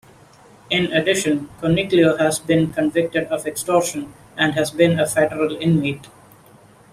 In addition, Coniglio has been convicted of extortion and has been a federal inmate.